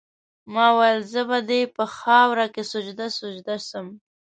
ما ویل زه به دي په خاوره کي سجده سجده سم